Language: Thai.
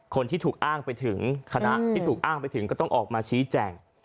คนที่ถูกอ้างไปถึงคณะที่ถูกอ้างไปถึงก็ต้องออกมาชี้แจง